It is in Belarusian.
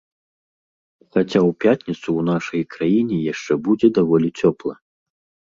Хаця ў пятніцу ў нашай краіне яшчэ будзе даволі цёпла.